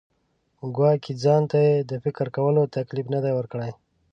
ګواکې ځان ته یې د فکر کولو تکلیف نه دی ورکړی.